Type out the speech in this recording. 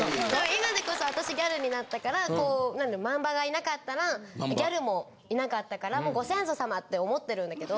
今でこそ私ギャルになったから何だろうマンバがいなかったらギャルもいなかったから。って思ってるんだけど。